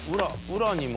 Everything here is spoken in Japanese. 裏にも。